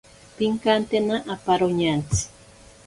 Pinkantena aparo ñantsi.